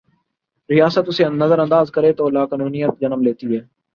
ریاست اسے نظر انداز کرے تولاقانونیت جنم لیتی ہے۔